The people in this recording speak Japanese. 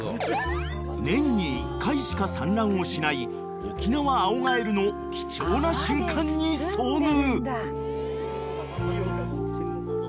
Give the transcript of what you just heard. ［年に１回しか産卵をしないオキナワアオガエルの貴重な瞬間に遭遇］